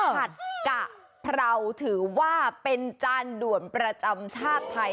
ผัดกะเพราถือว่าเป็นจานด่วนประจำชาติไทย